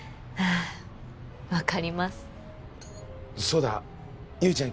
分かりますそうだ悠依ちゃん